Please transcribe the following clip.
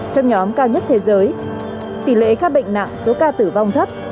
trong nhóm cao nhất thế giới tỷ lệ các bệnh nặng số ca tử vong thấp